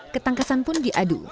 ketangkasan pun di adu